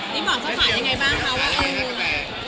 นี่บอกเจ้าขายังไงบ้างคะ